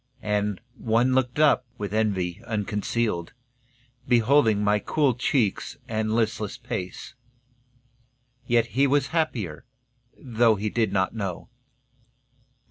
And one looked up, with envy unconcealed, Beholding my cool cheeks and listless pace, Yet he was happier, though he did not know.